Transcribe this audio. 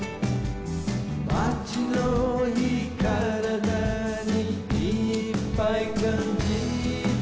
「街の灯からだにいっぱい感じて」